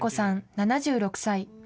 ７６歳。